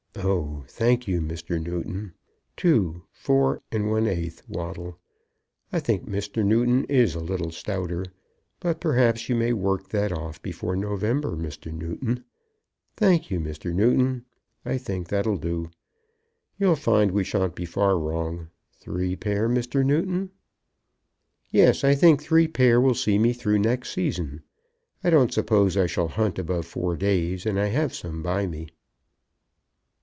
"Oh, thank you, Mr. Newton, 2, 4, and 1/8th, Waddle. I think Mr. Newton is a little stouter. But, perhaps, you may work that off before November, Mr. Newton. Thank you, Mr. Newton; I think that'll do. You'll find we shan't be far wrong. Three pair, Mr. Newton?" "Yes; I think three pair will see me through next season. I don't suppose I shall hunt above four days, and I have some by me."